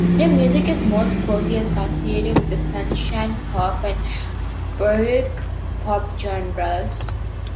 Their music is most closely associated with the sunshine pop and baroque pop genres.